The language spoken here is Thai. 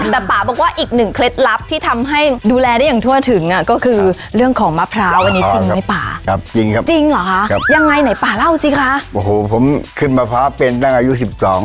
จริงครับจริงหรอฮะครับยังไงไหนป่าเล่าสิคะโอ้โหผมขึ้นมะพร้าเป็นตั้งอายุสิบสอง